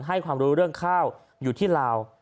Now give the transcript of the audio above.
ให้ความรู้เรื่องข้าวอยู่ที่ลาว